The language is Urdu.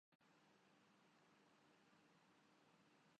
کس دن ہمارے سر پہ نہ آرے چلا کیے